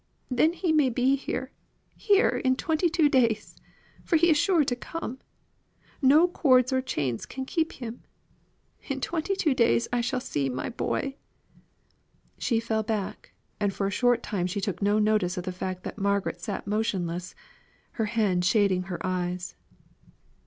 Then he may be here here in twenty two days! For he is sure to come. No cords or chains can keep him. In twenty two days I shall see my boy." She fell back, and for a short time she took no notice of the fact that Margaret sat motionless, her hand shading her eyes.